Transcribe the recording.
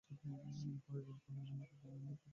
পরেশবাবু কহিলেন, কই, দেখি নে তো।